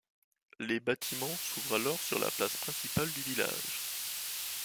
Les bâtiments s’ouvrent alors sur la place principale du village.